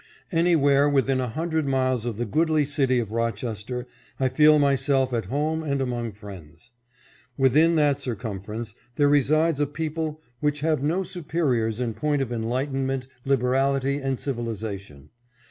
Anywhere within a hundred miles of the goodly city of Rochester I feel myself at home and among friends. Within that circumference there resides a people which have no superiors in point of enlighten ment, liberality and civilization.